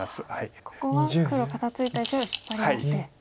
ここは黒肩ツイた石を引っ張り出して。